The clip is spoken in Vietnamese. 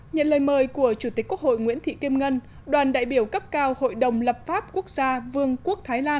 nhận lời mời của chủ tịch quốc hội nguyễn thị kim ngân đoàn đại biểu cấp cao hội đồng lập pháp quốc gia vương quốc thái lan